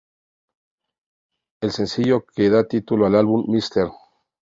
El sencillo que da título al álbum "Mr.